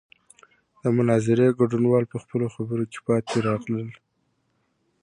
د مناظرې ګډونوال په خپلو خبرو کې پاتې راغلل.